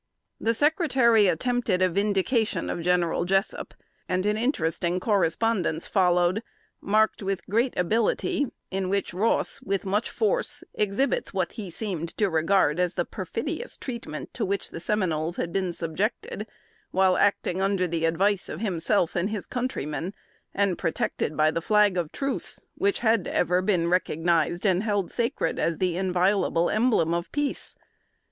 The Secretary attempted a vindication of General Jessup, and an interesting correspondence followed, marked with great ability, in which Ross, with much force, exhibits what he seemed to regard as the perfidious treatment to which the Seminoles had been subjected, while acting under the advice of himself and his country men, and protected by the flag of truce, which had ever been recognized and held sacred as the inviolable emblem of peace.